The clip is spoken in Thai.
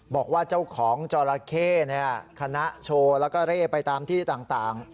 บอกว่าเจ้าของจอราเข้คณะโชว์แล้วก็เร่ไปตามที่ต่าง